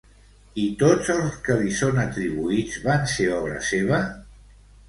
I tots els que li són atribuïts van ser obra seva?